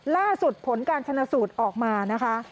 ล่าสุดผลการชนะสูตรออกมานะคะ